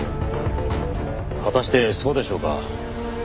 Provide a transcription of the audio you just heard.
果たしてそうでしょうか？